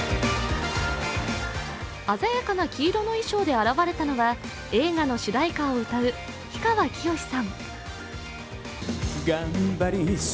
鮮やかな黄色の衣装で現れたのは映画の主題歌を歌う氷川きよしさん。